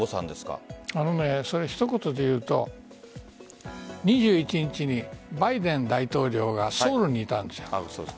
一言で言うと２１日にバイデン大統領がソウルにいたんです。